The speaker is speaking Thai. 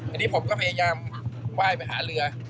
อันนี้ผมก็พยายามไหว้ไปหาเรือ